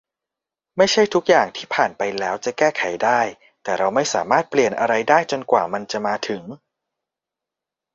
ไม่ใช่ทุกอย่างที่ผ่านไปแล้วจะแก้ไขได้ แต่เราไม่สามารถเปลี่ยนอะไรได้จนกว่ามันจะมาถึง